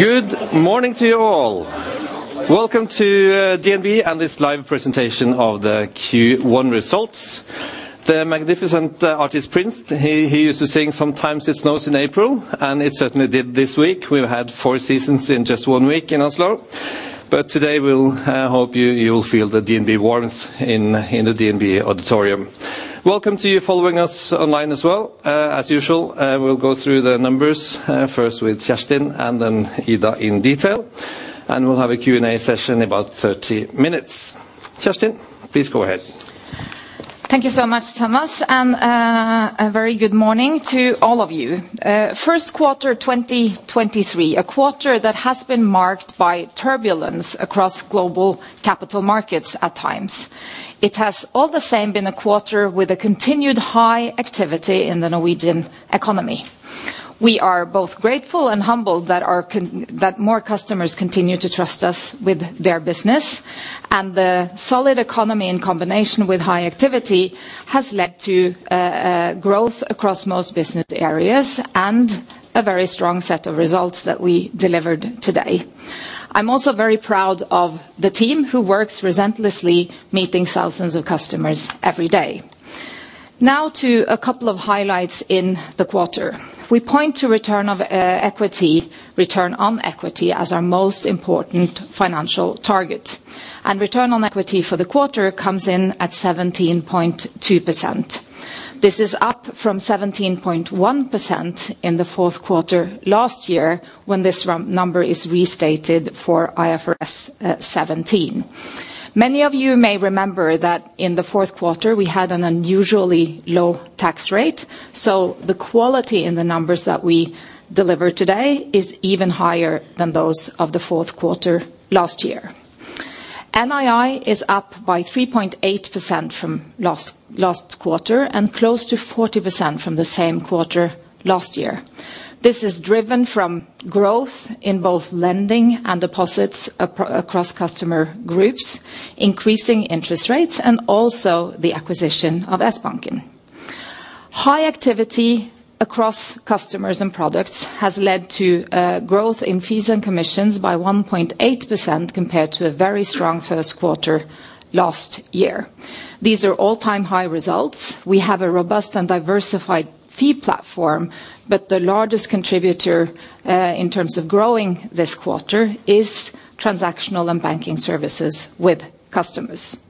Good morning to you all. Welcome to DNB and this live presentation of the Q1 results. The magnificent artist Prince, he used to sing Sometimes It Snows in April, and it certainly did this week. We've had four seasons in just one week in Oslo. Today, we'll hope you'll feel the DNB warmth in the DNB auditorium. Welcome to you following us online as well. As usual, we'll go through the numbers first with Kjerstin and then Ida in detail. We'll have a Q&A session in about 30 minutes. Kjerstin, please go ahead. Thank you so much, Thomas, a very good morning to all of you. First quarter 2023, a quarter that has been marked by turbulence across global capital markets at times. It has all the same been a quarter with a continued high activity in the Norwegian economy. We are both grateful and humbled that more customers continue to trust us with their business, and the solid economy in combination with high activity has led to growth across most business areas and a very strong set of results that we delivered today. I'm also very proud of the team who works relentlessly meeting thousands of customers every day. Now to a couple of highlights in the quarter. We point to return of equity, return on equity as our most important financial target. Return on equity for the quarter comes in at 17.2%. This is up from 17.1% in the fourth quarter last year when this number is restated for IFRS 17. Many of you may remember that in the fourth quarter we had an unusually low tax rate, so the quality in the numbers that we deliver today is even higher than those of the fourth quarter last year. NII is up by 3.8% from last quarter and close to 40% from the same quarter last year. This is driven from growth in both lending and deposits across customer groups, increasing interest rates, and also the acquisition of Sbanken. High activity across customers and products has led to growth in fees and commissions by 1.8% compared to a very strong first quarter last year. These are all-time high results. We have a robust and diversified fee platform, but the largest contributor in terms of growing this quarter is transactional and banking services with customers.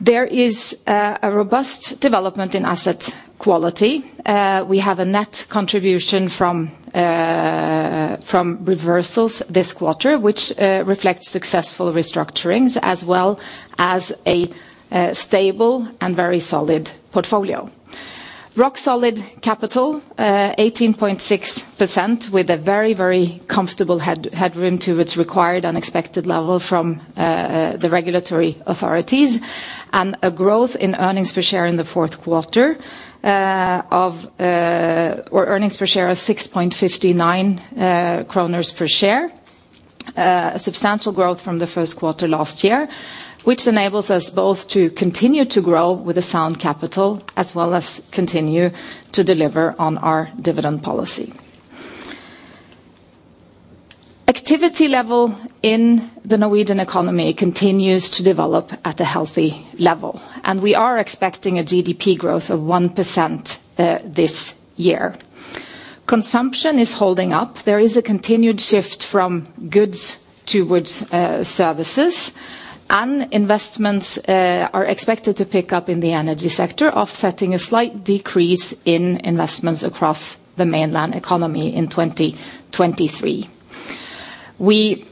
There is a robust development in asset quality. We have a net contribution from reversals this quarter, which reflects successful restructurings as well as a stable and very solid portfolio. Rock-solid capital 18.6% with a very, very comfortable headroom to its required unexpected level from the regulatory authorities, and a growth in earnings per share in the fourth quarter of... Earnings per share of 6.59 kroner per share, substantial growth from the first quarter last year, which enables us both to continue to grow with the sound capital as well as continue to deliver on our dividend policy. Activity level in the Norwegian economy continues to develop at a healthy level, we are expecting a GDP growth of 1% this year. Consumption is holding up. There is a continued shift from goods towards services. Investments are expected to pick up in the energy sector, offsetting a slight decrease in investments across the mainland economy in 2023. We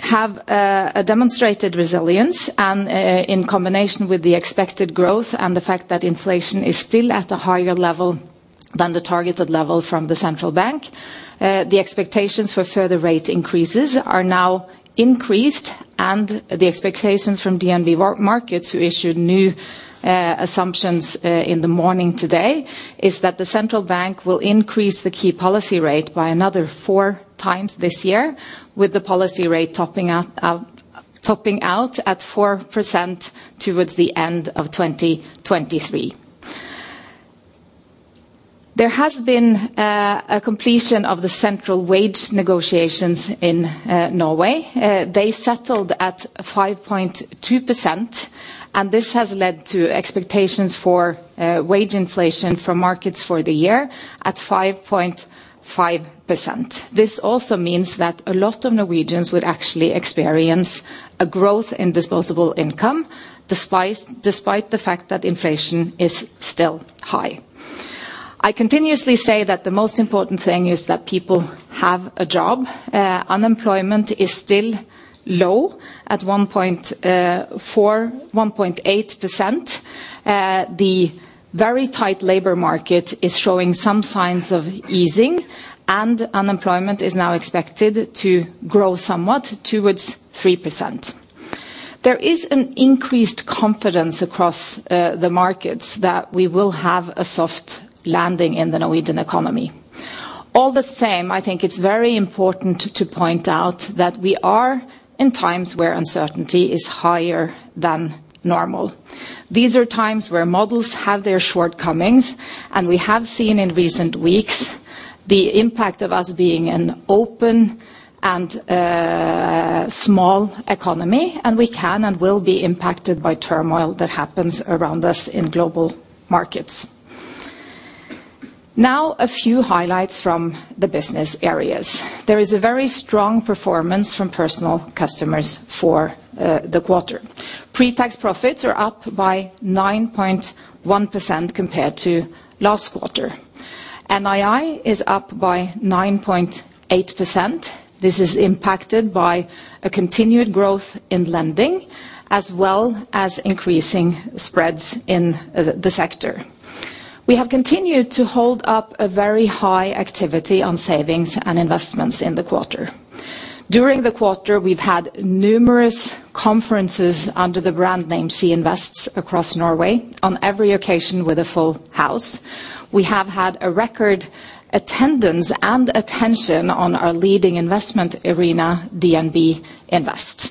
have a demonstrated resilience and, in combination with the expected growth and the fact that inflation is still at a higher level than the targeted level from the central bank, the expectations for further rate increases are now increased. The expectations from DNB Markets, who issued new assumptions in the morning today, is that the central bank will increase the key policy rate by another four times this year with the policy rate topping out at 4% towards the end of 2023. There has been a completion of the central wage negotiations in Norway. They settled at 5.2%, and this has led to expectations for wage inflation from markets for the year at 5.5%. This also means that a lot of Norwegians would actually experience a growth in disposable income, despite the fact that inflation is still high. I continuously say that the most important thing is that people have a job. Unemployment is still low at 1.8%. The very tight labor market is showing some signs of easing, and unemployment is now expected to grow somewhat towards 3%. There is an increased confidence across the markets that we will have a soft landing in the Norwegian economy. All the same, I think it's very important to point out that we are in times where uncertainty is higher than normal. These are times where models have their shortcomings, and we have seen in recent weeks. The impact of us being an open and small economy, and we can and will be impacted by turmoil that happens around us in global markets. There is a very strong performance from personal customers for the quarter. Pre-tax profits are up by 9.1% compared to last quarter. NII is up by 9.8%. This is impacted by a continued growth in lending, as well as increasing spreads in the sector. We have continued to hold up a very high activity on savings and investments in the quarter. During the quarter, we've had numerous conferences under the brand name She Invests across Norway on every occasion with a full house. We have had a record attendance and attention on our leading investment arena, DNB Invest.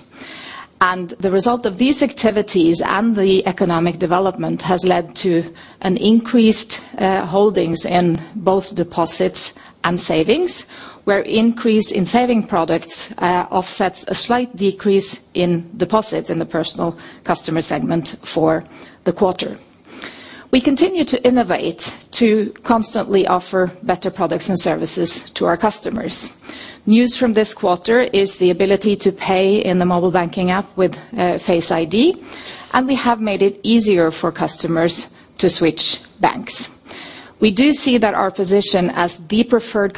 The result of these activities and the economic development has led to an increased holdings in both deposits and savings, where increase in saving products offsets a slight decrease in deposits in the personal customer segment for the quarter. We continue to innovate to constantly offer better products and services to our customers. News from this quarter is the ability to pay in the mobile banking app with Face ID, and we have made it easier for customers to switch banks. We do see that our position as the preferred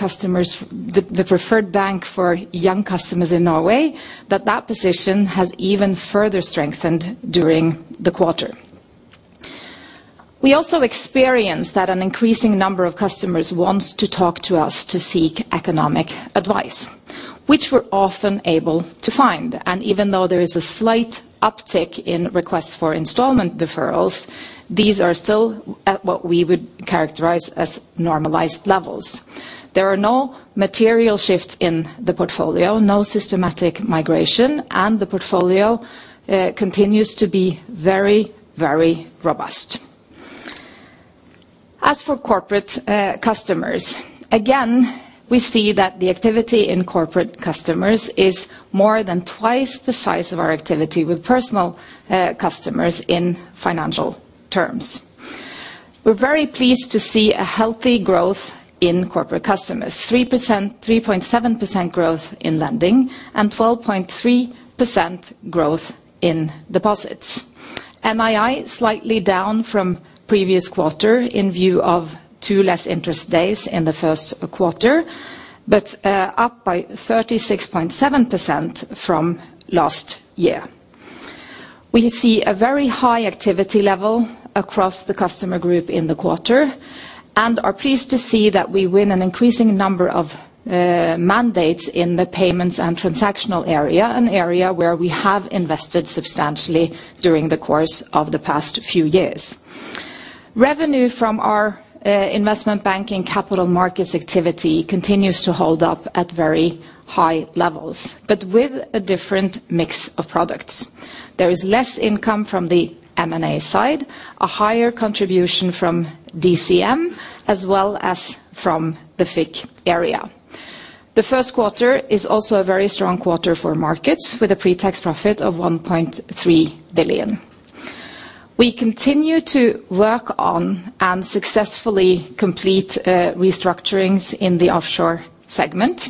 bank for young customers in Norway, that that position has even further strengthened during the quarter. We also experienced that an increasing number of customers wants to talk to us to seek economic advice, which we're often able to find. Even though there is a slight uptick in requests for instalment deferrals, these are still at what we would characterize as normalized levels. There are no material shifts in the portfolio, no systematic migration, and the portfolio continues to be very, very robust. For corporate customers, again, we see that the activity in corporate customers is more than twice the size of our activity with personal customers in financial terms. We're very pleased to see a healthy growth in corporate customers, 3%, 3.7% growth in lending and 12.3% growth in deposits. NII slightly down from previous quarter in view of two less interest days in the first quarter, but up by 36.7% from last year. We see a very high activity level across the customer group in the quarter and are pleased to see that we win an increasing number of mandates in the payments and transactional area, an area where we have invested substantially during the course of the past few years. Revenue from our investment banking capital markets activity continues to hold up at very high levels, but with a different mix of products. There is less income from the M&A side, a higher contribution from DCM, as well as from the FIC area. The first quarter is also a very strong quarter for markets, with a pre-tax profit of 1.3 billion. We continue to work on and successfully complete, restructurings in the offshore segment,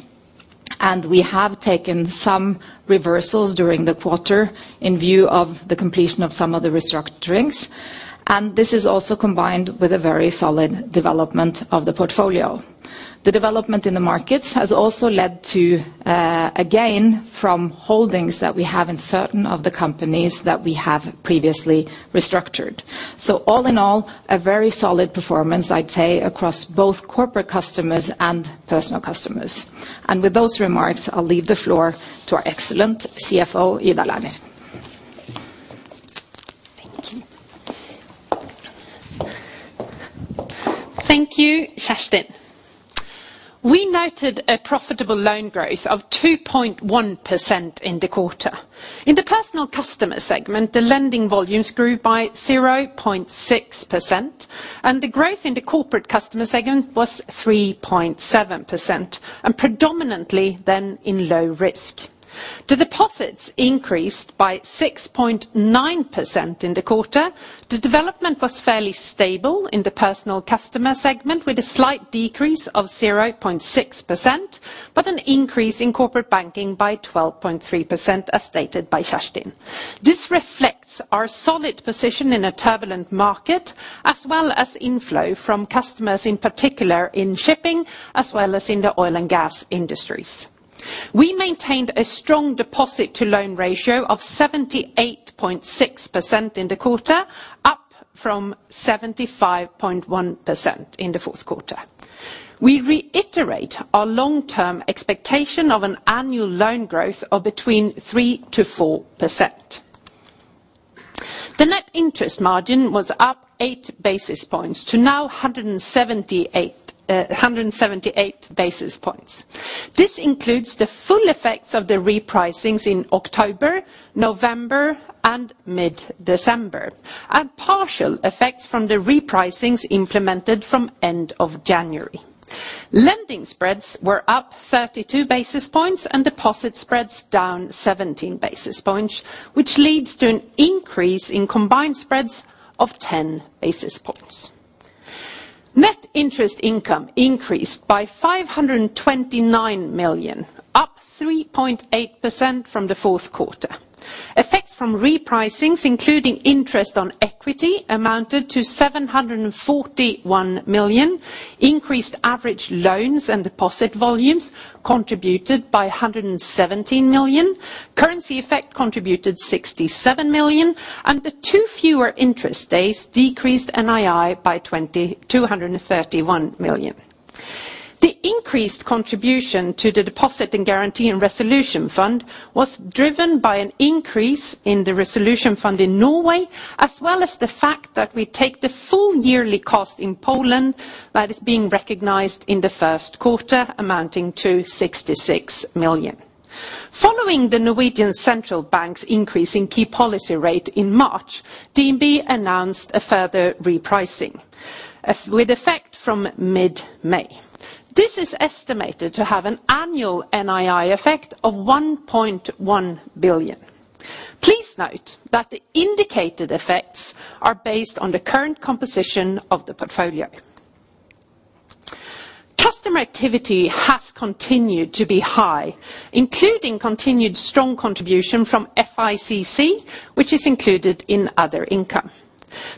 and we have taken some reversals during the quarter in view of the completion of some of the restructurings. This is also combined with a very solid development of the portfolio. The development in the markets has also led to, a gain from holdings that we have in certain of the companies that we have previously restructured. All in all, a very solid performance, I'd say, across both corporate customers and personal customers. With those remarks, I'll leave the floor to our excellent CFO, Ida Lerner. Thank you. Thank you, Kjerstin. We noted a profitable loan growth of 2.1% in the quarter. In the personal customer segment, the lending volumes grew by 0.6%, and the growth in the corporate customer segment was 3.7%, and predominantly then in low risk. The deposits increased by 6.9% in the quarter. The development was fairly stable in the personal customer segment, with a slight decrease of 0.6%, but an increase in corporate banking by 12.3%, as stated by Kjerstin. This reflects our solid position in a turbulent market, as well as inflow from customers, in particular in shipping, as well as in the oil and gas industries. We maintained a strong deposit-to-loan ratio of 78.6% in the quarter, up from 75.1% in the fourth quarter. We reiterate our long-term expectation of an annual loan growth of between 3%-4%. The net interest margin was up 8 basis points to now 178 basis points. This includes the full effects of the repricings in October, November, and mid-December, and partial effects from the repricings implemented from end of January. Lending spreads were up 32 basis points and deposit spreads down 17 basis points, which leads to an increase in combined spreads of 10 basis points. Net interest income increased by 529 million, up 3.8% from the fourth quarter. Effect from repricings, including interest on equity, amounted to 741 million. Increased average loans and deposit volumes contributed by 117 million. Currency effect contributed 67 million, the two fewer interest days decreased NII by 2,231 million. The increased contribution to the Deposit Guarantee and Resolution Fund was driven by an increase in the Resolution Fund in Norway, as well as the fact that we take the full yearly cost in Poland that is being recognized in the first quarter, amounting to 66 million. Following Norges Bank's increase in key policy rate in March, DNB announced a further repricing, with effect from mid-May. This is estimated to have an annual NII effect of 1.1 billion. Please note that the indicated effects are based on the current composition of the portfolio. Customer activity has continued to be high, including continued strong contribution from FICC, which is included in other income.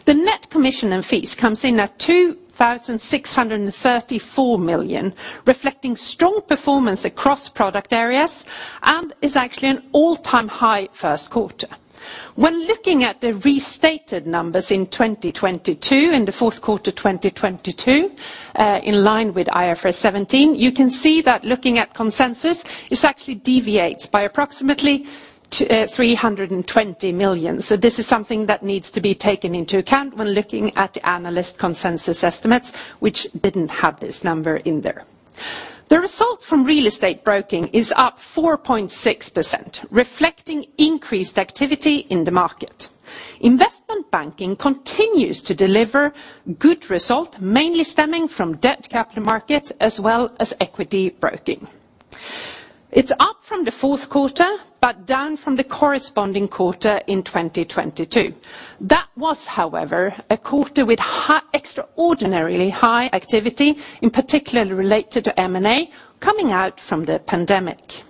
The net commission and fees comes in at 2,634 million, reflecting strong performance across product areas and is actually an all-time high first quarter. When looking at the restated numbers in 2022, in the fourth quarter, 2022, in line with IFRS 17, you can see that looking at consensus, this actually deviates by approximately 320 million. This is something that needs to be taken into account when looking at the analyst consensus estimates, which didn't have this number in there. The result from real estate broking is up 4.6%, reflecting increased activity in the market. Investment banking continues to deliver good result, mainly stemming from debt capital markets as well as equity broking. It's up from the fourth quarter, but down from the corresponding quarter in 2022. That was, however, a quarter with extraordinarily high activity, in particular related to M&A, coming out from the pandemic.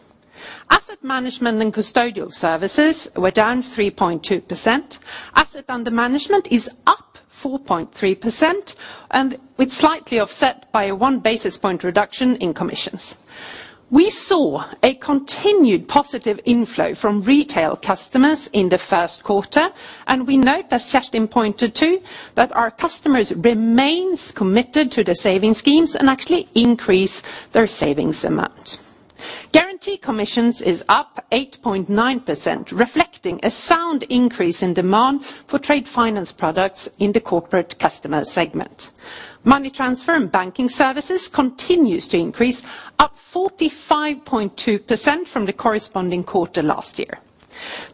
Asset management and custodial services were down 3.2%. Asset under management is up 4.3% and with slightly offset by a 1 basis point reduction in commissions. We saw a continued positive inflow from retail customers in the first quarter, and we note, as Kjerstin pointed to, that our customers remains committed to the saving schemes and actually increase their savings amount. Guarantee commissions is up 8.9%, reflecting a sound increase in demand for trade finance products in the corporate customer segment. Money transfer and banking services continues to increase, up 45.2% from the corresponding quarter last year.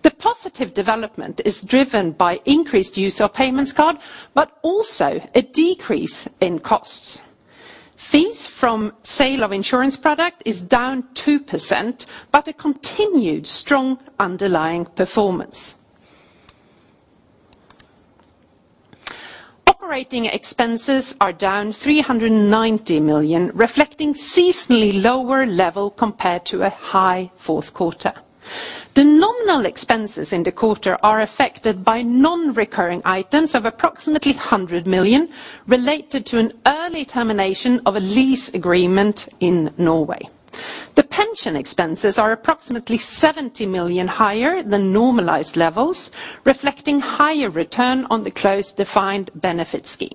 The positive development is driven by increased use of payments card, but also a decrease in costs. Fees from sale of insurance product is down 2%. A continued strong underlying performance. Operating expenses are down 390 million, reflecting seasonally lower level compared to a high fourth quarter. The nominal expenses in the quarter are affected by non-recurring items of approximately 100 million related to an early termination of a lease agreement in Norway. The pension expenses are approximately 70 million higher than normalized levels, reflecting higher return on the closed defined benefit scheme.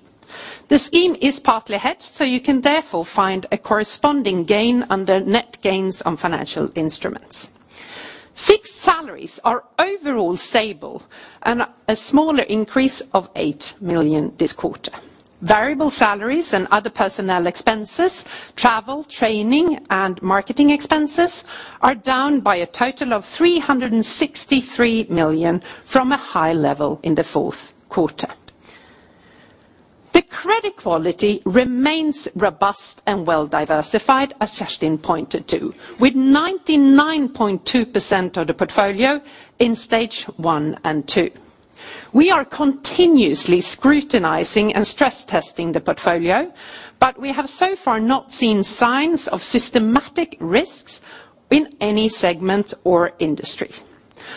You can therefore find a corresponding gain under net gains on financial instruments. Fixed salaries are overall stable and a smaller increase of 8 million this quarter. Variable salaries and other personnel expenses, travel, training, and marketing expenses are down by a total of 363 million from a high level in the fourth quarter. The credit quality remains robust and well diversified, as Kjerstin pointed to, with 99.2% of the portfolio in stage one and two. We are continuously scrutinizing and stress testing the portfolio, we have so far not seen signs of systematic risks in any segment or industry.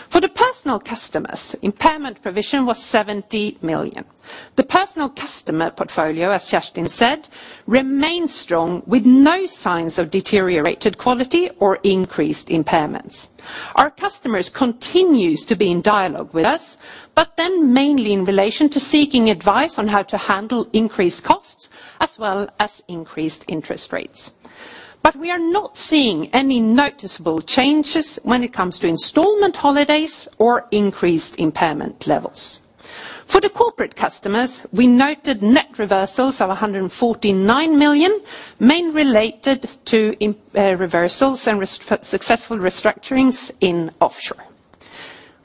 For the personal customers, impairment provision was 70 million. The personal customer portfolio, as Kjerstin said, remains strong with no signs of deteriorated quality or increased impairments. Our customers continues to be in dialogue with us, mainly in relation to seeking advice on how to handle increased costs as well as increased interest rates. We are not seeing any noticeable changes when it comes to instalment holidays or increased impairment levels. For the corporate customers, we noted net reversals of 149 million, main related to reversals and successful restructurings in offshore.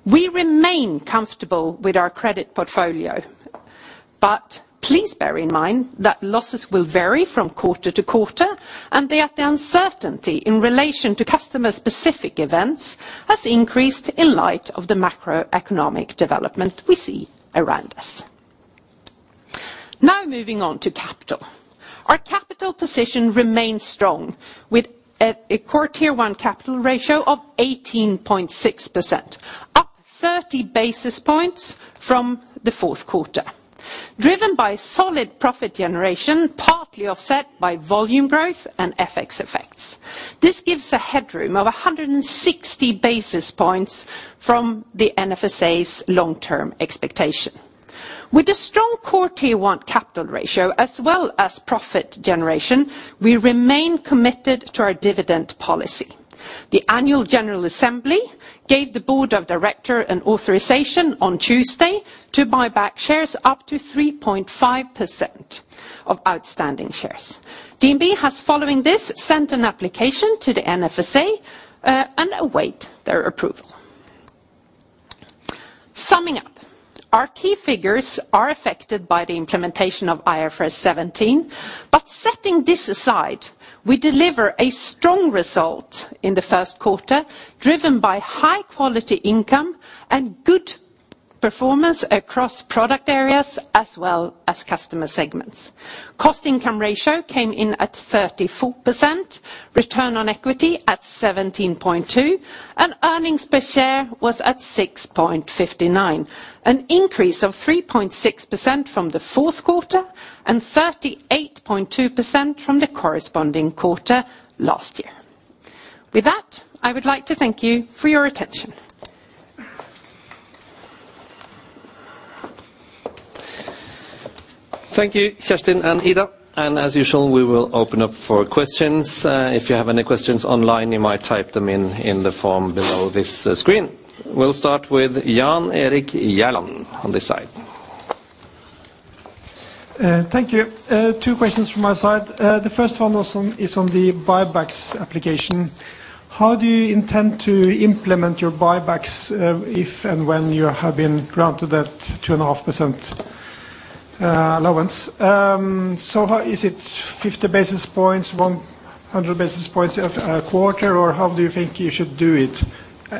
We remain comfortable with our credit portfolio. Please bear in mind that losses will vary from quarter to quarter and that the uncertainty in relation to customer-specific events has increased in light of the macroeconomic development we see around us. Moving on to capital. Our capital position remains strong, with a Core Tier 1 capital ratio of 18.6%, up 30 basis points from the fourth quarter, driven by solid profit generation, partly offset by volume growth and FX effects. This gives a headroom of 160 basis points from the NFSA's long-term expectation. With a strong Core Tier 1 capital ratio, as well as profit generation, we remain committed to our dividend policy. The annual general assembly gave the board of directors an authorization on Tuesday to buy back shares up to 3.5% of outstanding shares. DNB has, following this, sent an application to the NFSA and await their approval. Summing up, our key figures are affected by the implementation of IFRS 17, but setting this aside, we deliver a strong result in the first quarter, driven by high-quality income and good performance across product areas as well as customer segments. Cost/income ratio came in at 34%, return on equity at 17.2%, and earnings per share was at 6.59, an increase of 3.6% from the fourth quarter and 38.2% from the corresponding quarter last year. With that, I would like to thank you for your attention. Thank you, Kjerstin and Ida. As usual, we will open up for questions. If you have any questions online, you might type them in the form below this screen. We'll start with Jan Erik Gjerland on this side. Thank you. Two questions from my side. The first one is on the buybacks application. How do you intend to implement your buybacks if and when you have been granted that 2.5% allowance? Is it 50 basis points, 100 basis points a quarter, or how do you think you should do it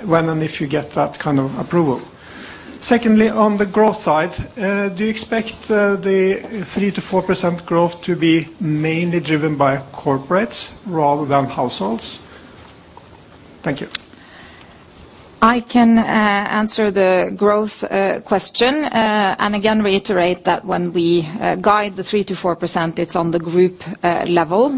when and if you get that kind of approval? Secondly, on the growth side, do you expect the 3%-4% growth to be mainly driven by corporates rather than households? Thank you. I can answer the growth question and again reiterate that when we guide the 3%-4%, it's on the group level.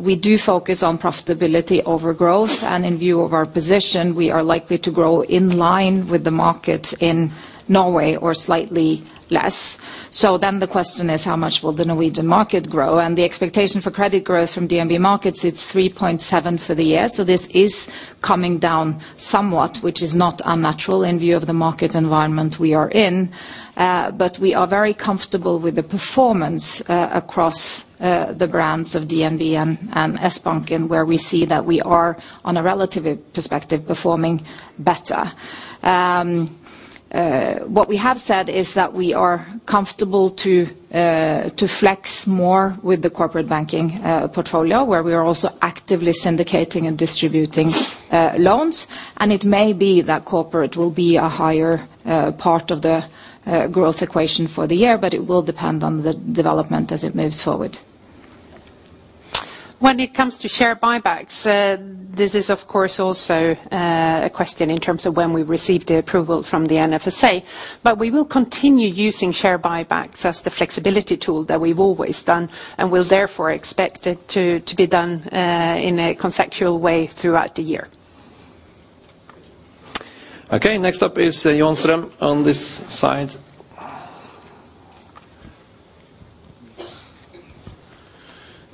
We do focus on profitability over growth, and in view of our position, we are likely to grow in line with the market in Norway or slightly less. The question is how much will the Norwegian market grow? The expectation for credit growth from DNB Markets, it's 3.7% for the year. This is coming down somewhat, which is not unnatural in view of the market environment we are in. We are very comfortable with the performance across the brands of DNB and Sbanken, where we see that we are, on a relative perspective, performing better. What we have said is that we are comfortable to flex more with the corporate banking portfolio, where we are also actively syndicating and distributing loans. It may be that corporate will be a higher part of the growth equation for the year, but it will depend on the development as it moves forward. When it comes to share buybacks, this is of course also a question in terms of when we receive the approval from the NFSA. We will continue using share buybacks as the flexibility tool that we've always done and will therefore expect it to be done in a conceptual way throughout the year. Okay, next up is Johan Ström on this side.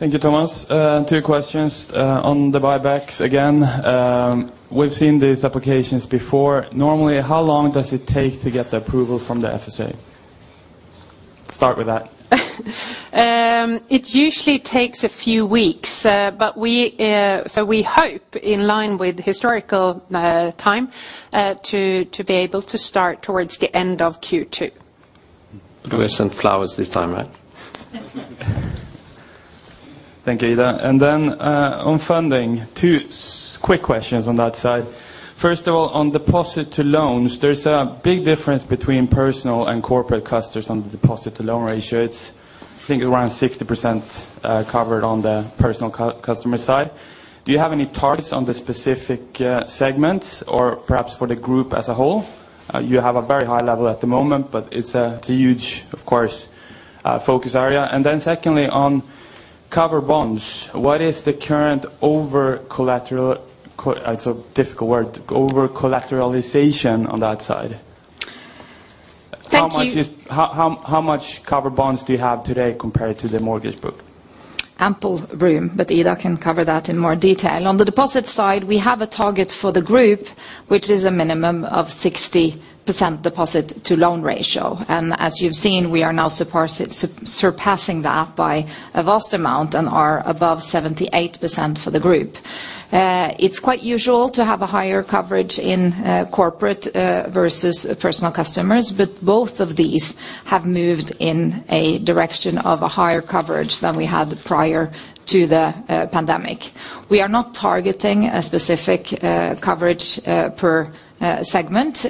Thank you, Thomas. two questions on the buybacks again. We've seen these applications before. Normally, how long does it take to get the approval from the FSA? Start with that. It usually takes a few weeks. We hope, in line with historical time, to be able to start towards the end of Q2. We'll send flowers this time, right? Thank you, Ida. On funding, two quick questions on that side. First of all, on deposit to loans, there's a big difference between personal and corporate customers on the deposit-to-loan ratio. It's I think around 60% covered on the personal customer side. Do you have any targets on the specific segments or perhaps for the group as a whole? You have a very high level at the moment, but it's a, it's a huge, of course, focus area. Secondly, on covered bonds, what is the current over-collateralization? It's a difficult word. Over-collateralization on that side. Thank you. How much covered bonds do you have today compared to the mortgage book? Ample room. Ida can cover that in more detail. On the deposit side, we have a target for the group, which is a minimum of 60% deposit-to-loan ratio. As you've seen, we are now surpassing that by a vast amount and are above 78% for the group. It's quite usual to have a higher coverage in corporate versus personal customers. Both of these have moved in a direction of a higher coverage than we had prior to the pandemic. We are not targeting a specific coverage per segment.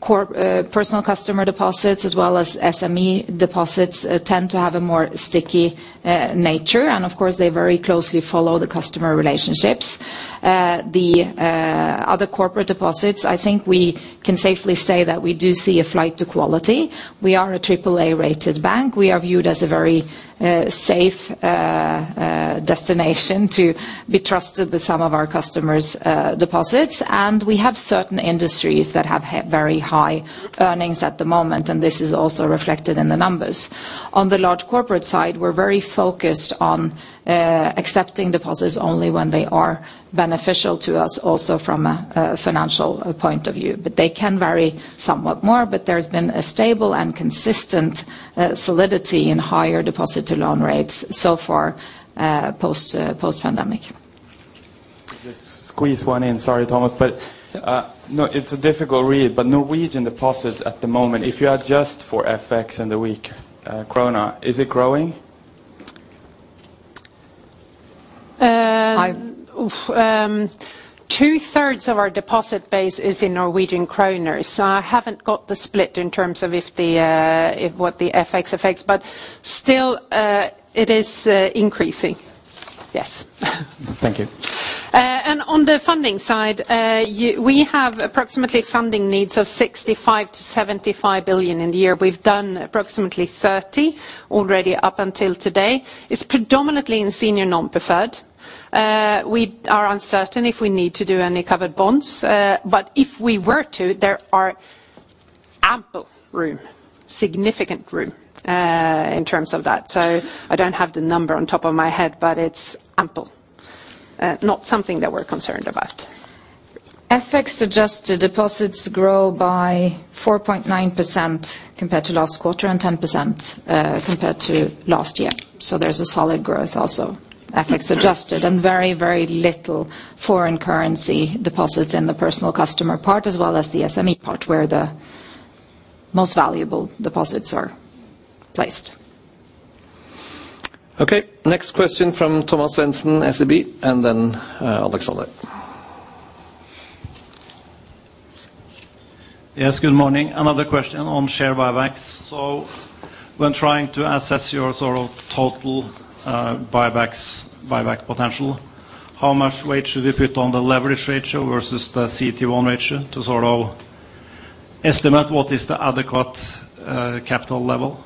Personal customer deposits as well as SME deposits tend to have a more sticky nature. Of course, they very closely follow the customer relationships. The other corporate deposits, I think we can safely say that we do see a flight to quality. We are a triple-A rated bank. We are viewed as a very safe destination to be trusted with some of our customers' deposits. We have certain industries that have very high earnings at the moment, and this is also reflected in the numbers. On the large corporate side, we're very focused on accepting deposits only when they are beneficial to us also from a financial point of view. They can vary somewhat more, but there's been a stable and consistent solidity in higher deposit-to-loan rates so far post-pandemic. Just squeeze one in. Sorry, Thomas. No, it's a difficult read. Norwegian deposits at the moment, if you adjust for FX in the weak krona, is it growing? Two-thirds of our deposit base is in Norwegian kronas. I haven't got the split in terms of if the if what the FX affects, but still, it is increasing. Yes. Thank you. On the funding side, we have approximately funding needs of 65 billion-75 billion in the year. We've done approximately 30 billion already up until today. It's predominantly in senior non-preferred. We are uncertain if we need to do any covered bonds. If we were to, there are ample room, significant room, in terms of that. I don't have the number on top of my head, but it's ample. Not something that we're concerned about. FX-adjusted deposits grow by 4.9% compared to last quarter and 10% compared to last year. There's a solid growth also, FX-adjusted, and very little foreign currency deposits in the personal customer part as well as the SME part, where the most valuable deposits are placed. Okay, next question from Thomas Svendsen, SEB, and then, Alexander. Yes, good morning. Another question on share buybacks. When trying to assess your sort of total, buybacks, buyback potential, how much weight should we put on the leverage ratio versus the CET1 ratio to sort of estimate what is the adequate capital level?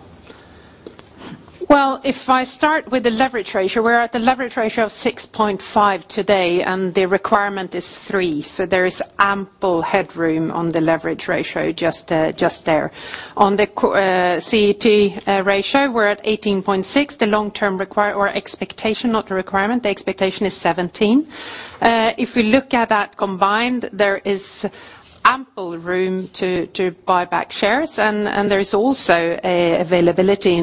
Well, if I start with the leverage ratio, we're at the leverage ratio of 6.5 today, and the requirement is 3. There is ample headroom on the leverage ratio just there. On the CET1 ratio, we're at 18.6. The long-term expectation, not the requirement, the expectation is 17. If we look at that combined, there is ample room to buy back shares. And there is also a availability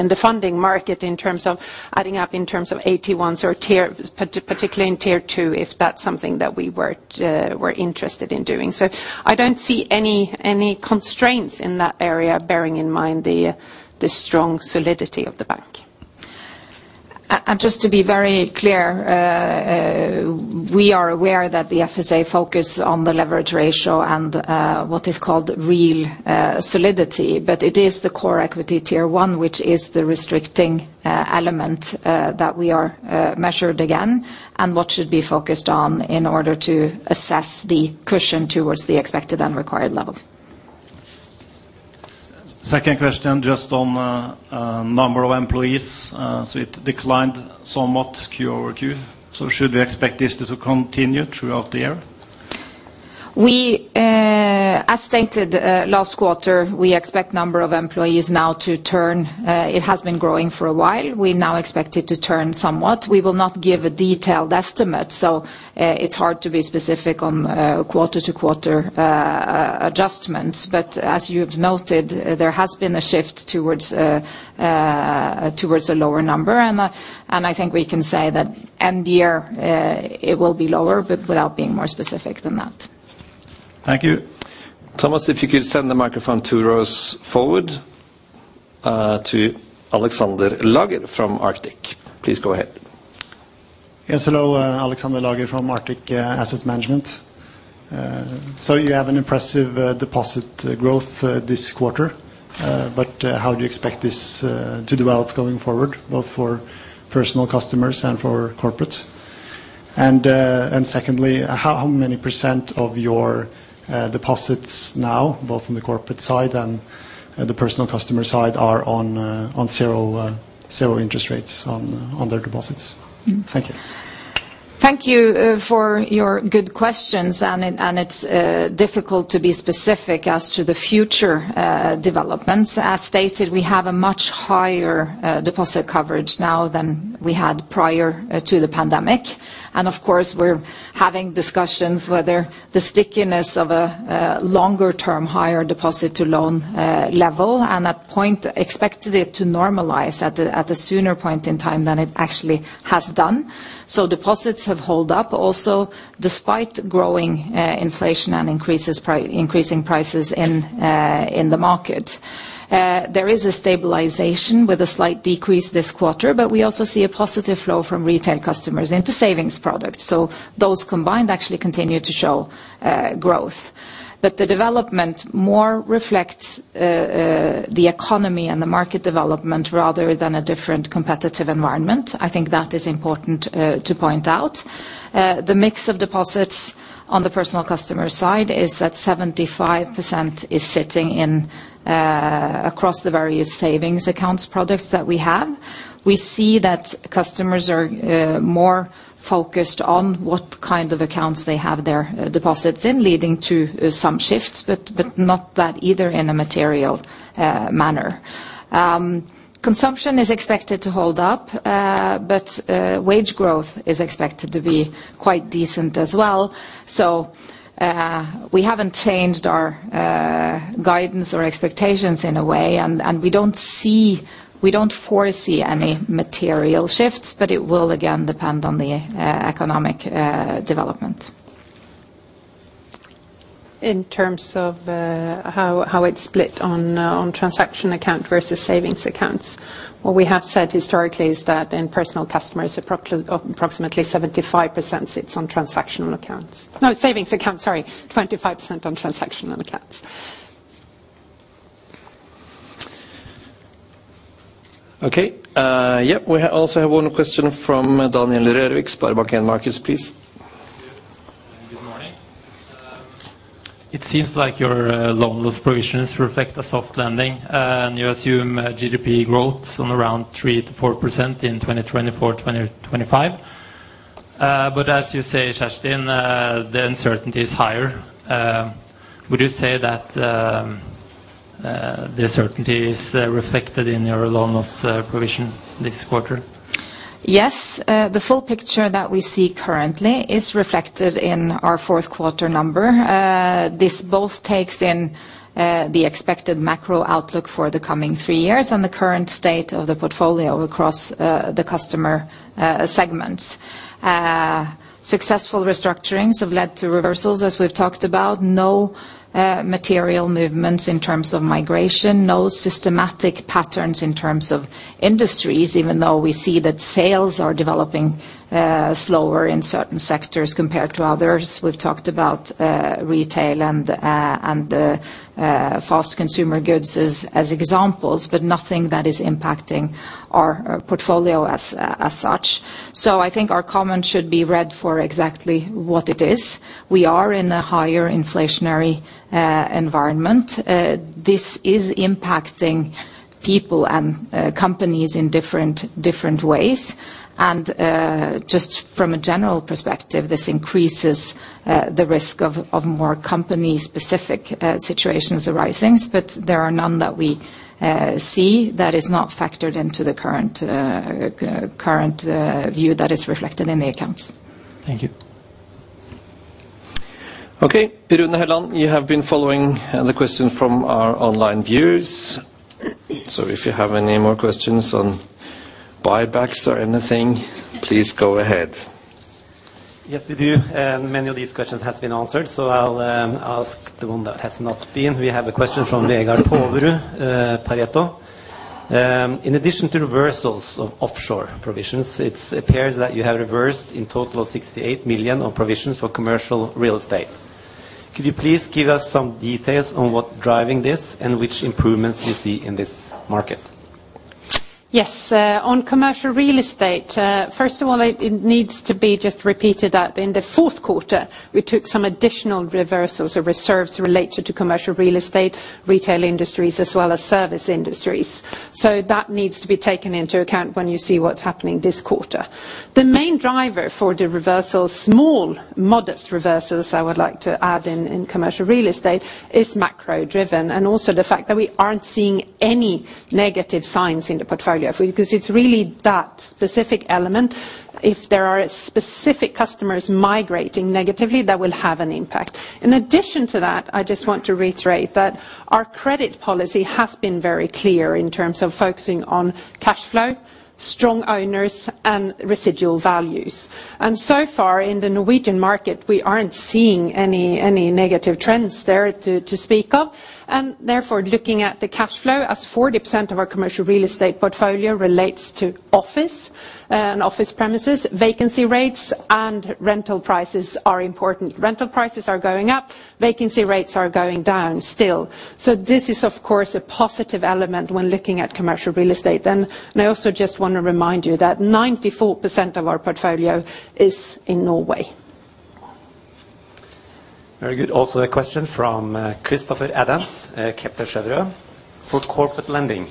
in the funding market in terms of adding up in terms of AT1 or particularly in Tier 2, if that's something that we were interested in doing. I don't see any constraints in that area, bearing in mind the strong solidity of the bank. Just to be very clear, we are aware that the FSA focus on the leverage ratio and what is called real solidity. It is the core equity Tier 1 which is the restricting element that we are measured again and what should be focused on in order to assess the cushion towards the expected and required level. Second question, just on number of employees. It declined somewhat Q-over-Q. Should we expect this to continue throughout the year? We, as stated, last quarter, we expect number of employees now to turn. It has been growing for a while. We now expect it to turn somewhat. We will not give a detailed estimate, so it's hard to be specific on quarter-to-quarter adjustments. As you've noted, there has been a shift towards a lower number. I think we can say that end year, it will be lower, but without being more specific than that. Thank you. Thomas, if you could send the microphone two rows forward to Alexander Lager from Arctic. Please go ahead. Yes, hello. Alexander Lager from Arctic Asset Management. You have an impressive deposit growth this quarter. How do you expect this to develop going forward, both for personal customers and for corporate? Secondly, how many percent of your deposits now, both on the corporate side and the personal customer side, are on zero interest rates on their deposits? Thank you. Thank you for your good questions. It's difficult to be specific as to the future developments. As stated, we have a much higher deposit coverage now than we had prior to the pandemic. Of course, we're having discussions whether the stickiness of a longer term higher deposit-to-loan level and at point expected it to normalize at the sooner point in time than it actually has done. Deposits have held up also despite growing inflation and increasing prices in the market. There is a stabilization with a slight decrease this quarter, but we also see a positive flow from retail customers into savings products. Those combined actually continue to show growth. The development more reflects the economy and the market development rather than a different competitive environment. I think that is important to point out. The mix of deposits on the personal customer side is that 75% is sitting in across the various savings accounts products that we have. We see that customers are more focused on what kind of accounts they have their deposits in, leading to some shifts, but not that either in a material manner. Consumption is expected to hold up, but wage growth is expected to be quite decent as well. We haven't changed our guidance or expectations in a way, and we don't foresee any material shifts, but it will again depend on the economic development. In terms of how it's split on transaction account versus savings accounts, what we have said historically is that in personal customers approximately 75% sits on transactional accounts. No, savings accounts, sorry. 25% on transactional accounts. Okay. yeah, we also have one question from Daniel Rørvik, SpareBank 1 Markets, please. Thank you. Good morning. It seems like your loan loss provisions reflect a soft landing, and you assume GDP growth on around 3%-4% in 2024, 2025. As you say, Kjerstin, the uncertainty is higher. Would you say that the uncertainty is reflected in your loan loss provision this quarter? Yes. The full picture that we see currently is reflected in our fourth quarter number. This both takes in the expected macro outlook for the coming three years and the current state of the portfolio across the customer segments. Successful restructurings have led to reversals, as we've talked about. No material movements in terms of migration, no systematic patterns in terms of industries, even though we see that sales are developing slower in certain sectors compared to others. We've talked about retail and fast consumer goods as examples, but nothing that is impacting our portfolio as such. I think our comment should be read for exactly what it is. We are in a higher inflationary environment. This is impacting people and companies in different ways. Just from a general perspective, this increases the risk of more company-specific situations arising, but there are none that we see that is not factored into the current view that is reflected in the accounts. Thank you. Okay. Rune Helland, you have been following the question from our online viewers. If you have any more questions on buybacks or anything, please go ahead. Yes, we do. Many of these questions has been answered, so I'll ask the one that has not been. We have a question from Vegard Toverud, Pareto. In addition to reversals of offshore provisions, it appears that you have reversed in total 68 million on provisions for commercial real estate. Could you please give us some details on what driving this and which improvements you see in this market? Yes. On commercial real estate, first of all, it needs to be just repeated that in the fourth quarter, we took some additional reversals of reserves related to commercial real estate, retail industries, as well as service industries. That needs to be taken into account when you see what's happening this quarter. The main driver for the reversals, small modest reversals, I would like to add in commercial real estate, is macro-driven, and also the fact that we aren't seeing any negative signs in the portfolio. It's really that specific element. If there are specific customers migrating negatively, that will have an impact. In addition to that, I just want to reiterate that our credit policy has been very clear in terms of focusing on cash flow, strong owners, and residual values. So far in the Norwegian market, we aren't seeing any negative trends there to speak of. Therefore, looking at the cash flow, as 40% of our commercial real estate portfolio relates to office and office premises, vacancy rates and rental prices are important. Rental prices are going up, vacancy rates are going down still. This is, of course, a positive element when looking at commercial real estate. I also just wanna remind you that 94% of our portfolio is in Norway. Very good. Also a question from Christoffer Adams, Kepler Cheuvreux. For corporate lending,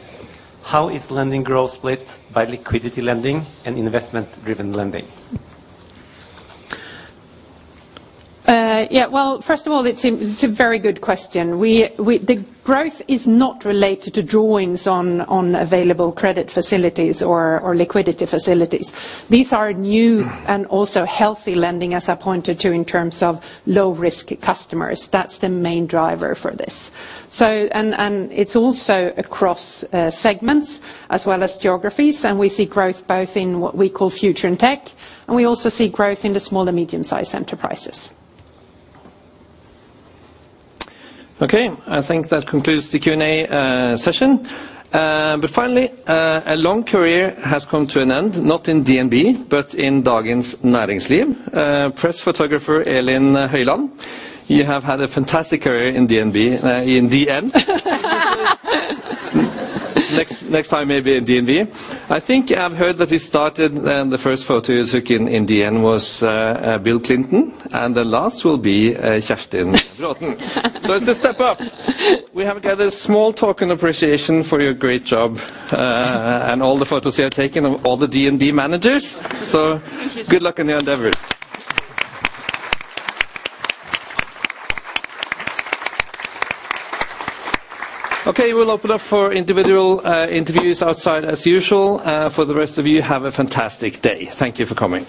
how is lending growth split by liquidity lending and investment-driven lending? Yeah. Well, first of all, it's a very good question. The growth is not related to drawings on available credit facilities or liquidity facilities. These are new and also healthy lending, as I pointed to, in terms of low-risk customers. That's the main driver for this. It's also across segments as well as geographies, and we see growth both in what we call future and tech, and we also see growth in the small and medium-sized enterprises. Okay. I think that concludes the Q&A session. Finally, a long career has come to an end, not in DNB, but in Dagens Næringsliv. Press photographer Elin Høyland, you have had a fantastic career in DNB, in DN. Next time maybe in DNB. I think I've heard that you started and the first photo you took in DN was Bill Clinton, and the last will be Kjerstin Braathen. It's a step up. We have gathered a small token appreciation for your great job, and all the photos you have taken of all the DNB managers. Thank you. Good luck in your endeavors. Okay, we'll open up for individual interviews outside as usual. For the rest of you, have a fantastic day. Thank you for coming.